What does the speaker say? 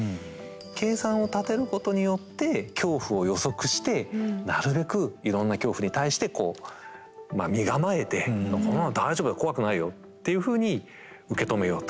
計算を立てることによって恐怖を予測してなるべくいろんな恐怖に対してこうまあ身構えて「こんなの大丈夫だ怖くないよ」っていうふうに受け止めようと。